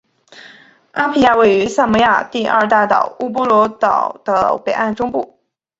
阿皮亚位于萨摩亚第二大岛乌波卢岛的北岸中部。